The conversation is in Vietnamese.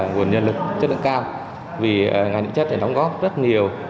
nguồn nhân lực chất lượng cao vì ngành điện chất thì đóng góp rất nhiều